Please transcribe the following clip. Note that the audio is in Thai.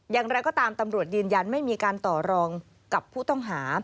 อย่างไรก็ตามตำรวจยืนยันไม่มีการต่อรองกับผู้ต้องหา